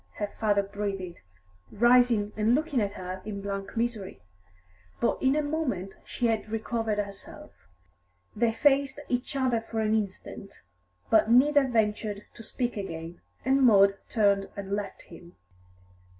her father breathed, rising and looking at her in blank misery. But in a moment she had recovered herself. They faced each other for an instant, but neither ventured to speak again, and Maud turned and left him.